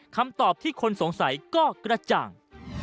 คำตอบที่คนสงสัยก็กระจ่าง